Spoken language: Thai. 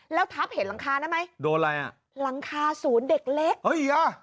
แล้วทัพเห็นหลังคานะมั้ยหลังคาศูนย์เด็กเล็กดูอะไรอ่ะ